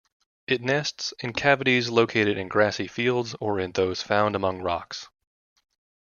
It nests in cavities located in grassy fields or in those found among rocks.